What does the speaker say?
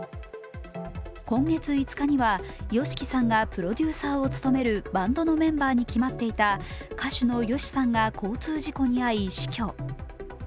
今月５日には、ＹＯＳＨＩＫＩさんがプロデューサーを務めるバンドのメンバーに決まっていた歌手のＹＯＳＨＩさんが交通事故に遭い、死去。